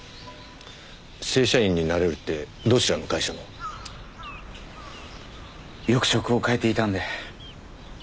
正社員になれるってどちらの会社の？よく職を変えていたんで。